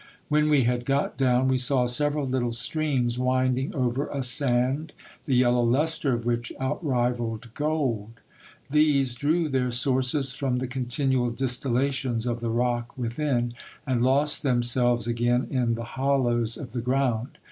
When we had got down, we saw several little streams winding over a sand, the yellow lustre of which outrivalled gold. These drew their sources from the continual distillations of the rock within, and lost themselves again in the hollows of the ground.